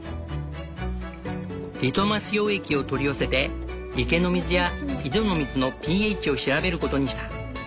リトマス溶液を取り寄せて池の水や井戸の水のｐＨを調べることにした。